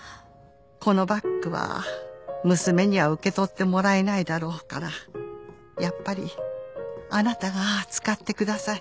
「このバッグは娘には受け取ってもらえないだろうからやっぱりあなたが使ってください」